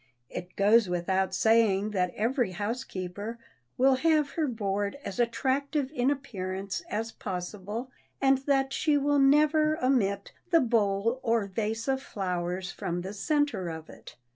It goes without saying that every housekeeper will have her board as attractive in appearance as possible, and that she will never omit the bowl or vase of flowers from the center of it.